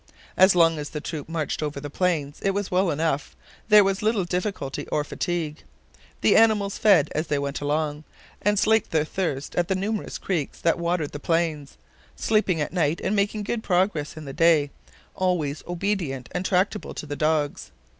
As long as the troop marched over the plains it was well enough, there was little difficulty or fatigue. The animals fed as they went along, and slaked their thirst at the numerous creeks that watered the plains, sleeping at night and making good progress in the day, always obedient and tractable to the dogs.